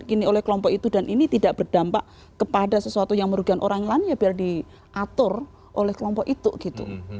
ini oleh kelompok itu dan ini tidak berdampak kepada sesuatu yang merugikan orang lain ya biar diatur oleh kelompok itu gitu